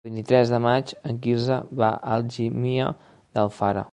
El vint-i-tres de maig en Quirze va a Algímia d'Alfara.